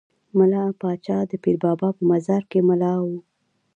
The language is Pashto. ملا پاچا د پیر بابا په مزار کې ملا وو.